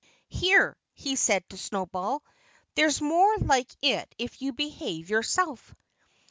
"Here!" he said to Snowball. "There's more like it if you behave yourself."